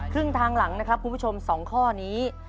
ครึ่งทางหลังนะครับคุณผู้ชม๒ข้อนี้